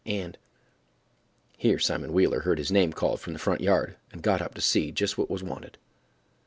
And—— (Here Simon Wheeler heard his name called from the front yard, and got up to see what was wanted.)